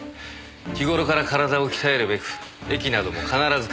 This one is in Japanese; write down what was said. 日頃から体を鍛えるべく駅なども必ず階段を使う。